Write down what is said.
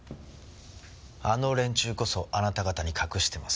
あの連中こそあなた方に隠してますよ。